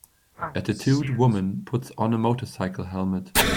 A tattooed woman puts on a motorcycle helmet.